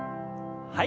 はい。